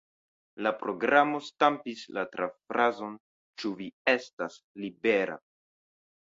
La programo stampis la traffrazon "Ĉu vi estas libera?